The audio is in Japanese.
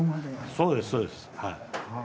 そうですそうですはい。